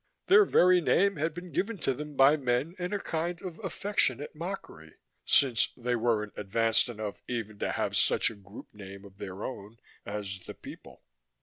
Their very name had been given to them by men in a kind of affectionate mockery, since they weren't advanced enough even to have such a group name of their own as "the people."